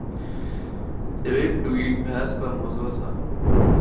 جب ایک ٹویٹ بحث کا مو ضوع تھا۔